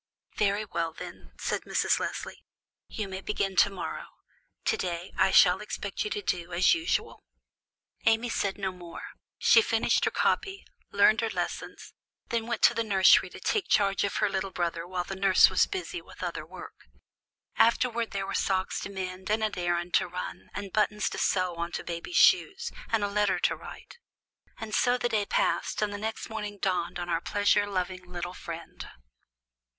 "Very well, then," said Mrs. Leslie; "you may begin to morrow. To day I shall expect you to do as usual." Amy said no more; she finished her copy, learned her lessons, then went to the nursery to take charge of her little brother while the nurse was busy with other work. Afterward there were socks to mend, and an errand to run, and buttons to sew on to baby's shoes, and a letter to write. And so the day passed, and the next morning dawned on our pleasure loving little friend.